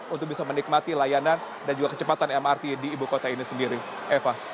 untuk bisa menikmati layanan dan juga kecepatan mrt di ibu kota ini sendiri eva